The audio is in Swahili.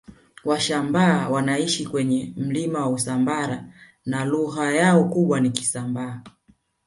Washambaa wanaishi kwenye milima ya Usambara na lugha yao kubwa ni Kisambaa